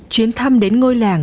chuyến thăm đến ngôi làng